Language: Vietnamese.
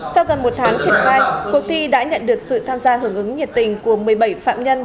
sau gần một tháng triển khai cuộc thi đã nhận được sự tham gia hưởng ứng nhiệt tình của một mươi bảy phạm nhân